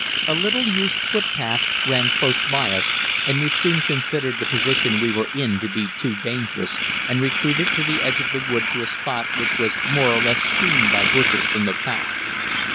A little used footpath ran close by us, and we soon considered the position we were in to be too dangerous, and retreated to the edge of the wood to a spot which was more or less screened by bushes from the path.